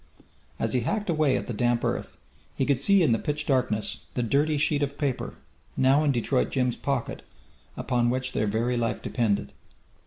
As he hacked away at the damp earth, he could see in the pitch darkness the dirty sheet of paper, now in Detroit Jim's pocket, upon which their very life depended.